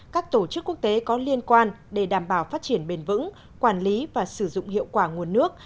các tổ chức quốc tế có liên quan để đảm bảo phát triển bền vững quản lý và sử dụng hiệu quả nguồn nước